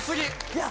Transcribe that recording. いや